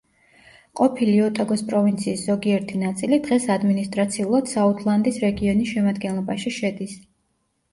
ყოფილი ოტაგოს პროვინციის ზოგიერთი ნაწილი დღეს ადმინისტრაციულად საუთლანდის რეგიონის შემადგენლობაში შედის.